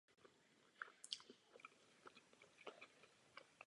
Většina nejvyšších hor Wyomingu leží v tomto pohoří.